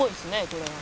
これは」